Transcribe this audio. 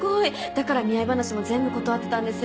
だから見合い話も全部断ってたんですよね。